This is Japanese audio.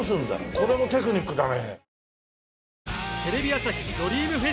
これもテクニックだねえ。